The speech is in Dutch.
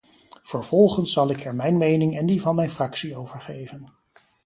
Vervolgens zal ik er mijn mening en die van mijn fractie over geven.